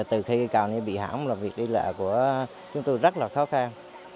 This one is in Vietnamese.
từ khi cây cầu này bị hỏng là việc đi lại của chúng tôi rất là khó khăn